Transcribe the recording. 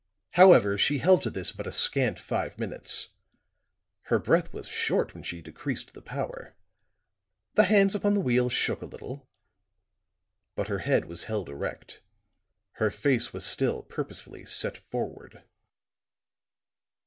However, she held to this but a scant five minutes; her breath was short when she decreased the power; the hands upon the wheel shook a little, but her head was held erect, her face was still purposefully set forward.